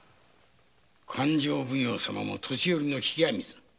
勘定奉行様も年寄りの冷や水。